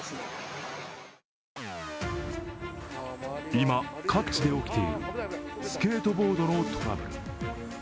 今、各地で起きているスケートボードのトラブル。